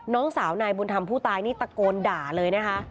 น้องสาวนายบุญธรรมผู้ตายนี่ตะโกนด่าเลยนะคะ